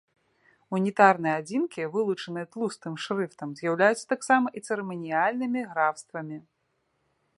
Унітарныя адзінкі, вылучаныя тлустым шрыфтам, з'яўляюцца таксама і цырыманіяльнымі графствамі.